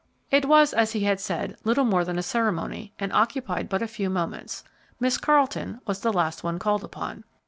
It was, as he had said, little more than a ceremony and occupied but a few moments. Miss Carleton was the last one called upon.